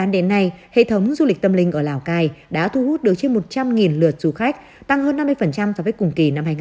một trăm linh lượt du khách tăng hơn năm mươi so với cùng kỳ năm hai nghìn hai mươi một